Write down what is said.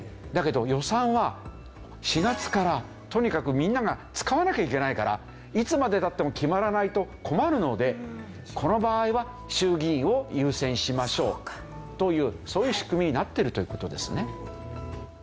だけど予算は４月からとにかくみんなが使わなきゃいけないからいつまで経っても決まらないと困るのでこの場合は衆議院を優先しましょうというそういう仕組みになってるという事ですね。